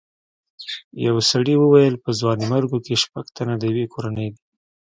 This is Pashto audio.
یو سړي وویل په ځوانیمرګو کې شپږ تنه د یوې کورنۍ دي.